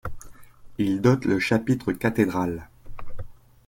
Il dote le chapitre cathédral.